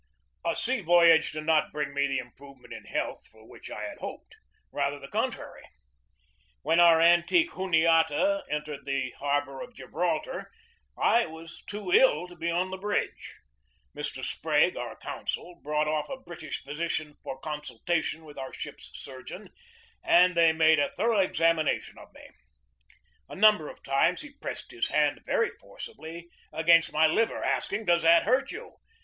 A sea voyage did not bring me the improvement in health for which I had hoped ; rather the contrary. BUILDING THE NEW NAVY 155 When our antique Juniata entered the harbor of Gibraltar I was too ill to be on the bridge. Mr. Sprague, our consul, brought off a British physician for consultation with our ship's surgeon, and they made a thorough examination of me. A number of times he pressed his hand very forcibly against my liver, asking, "Does that hurt you?"